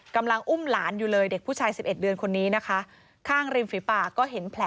กำลังอุ้มหลานอยู่เลยเด็กผู้ชาย๑๑เดือนคนนี้นะคะ